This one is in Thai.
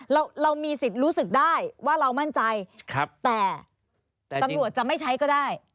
เราเรามีสิทธิ์รู้สึกได้ว่าเรามั่นใจครับแต่จะไม่ใช้ก็ได้